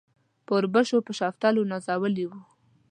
په اوربشو په شفتلو نازولي وو.